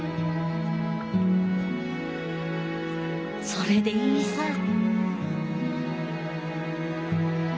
それでいいさぁ。